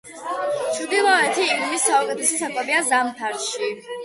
ჩრდილოეთი ირმის საუკეთესო საკვებია ზამთარში.